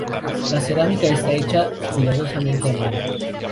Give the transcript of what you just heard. La cerámica está hecha cuidadosamente a mano.